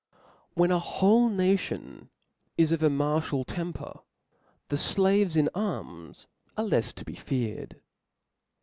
HEN a ivhole nation is of a martial temper, the flaves in arms are lefs to be feared.